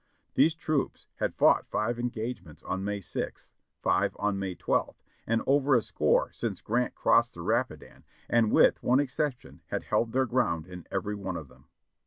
These troops had fought five engagements on May 6th, five on May 12th, and over a score since Grant crossed the Rapi dan, and with one exception had held their ground in every one of them.